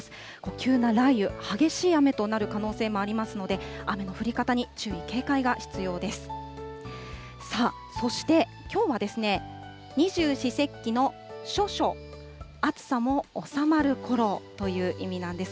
急な雷雨、激しい雨となる可能性もありますので、雨の降り方に注意、警戒が必要です。